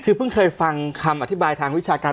คือเพิ่งเคยฟังคำอธิบายทางวิชาการ